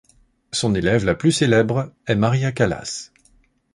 Son élève la plus célèbre est Maria Callas.